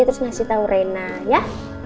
terus ngasih tau rena ya